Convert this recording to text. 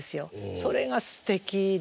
それがすてきで。